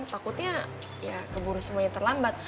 takutnya keburu semuanya terlambat